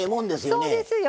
そうですよ。